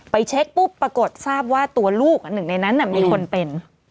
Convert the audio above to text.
เช็คปุ๊บปรากฏทราบว่าตัวลูกหนึ่งในนั้นมีคนเป็น